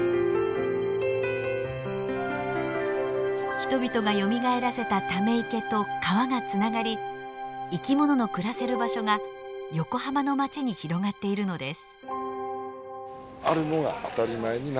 人々がよみがえらせたため池と川がつながり生き物の暮らせる場所が横浜の街に広がっているのです。